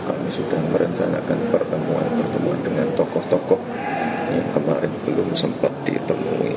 kami sudah merencanakan pertemuan pertemuan dengan tokoh tokoh yang kemarin belum sempat ditemui